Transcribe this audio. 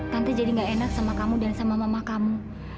tante jadi gak enak sama kamu dan sama mama kamu